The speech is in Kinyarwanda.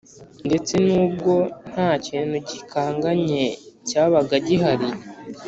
Ndetse n’ubwo nta kintu gikanganye cyabaga gihari,